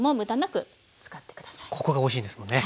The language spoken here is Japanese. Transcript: ここがおいしいんですもんね。